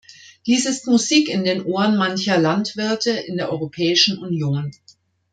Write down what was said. Dies ist Musik in den Ohren mancher Landwirte in der Europäischen Union.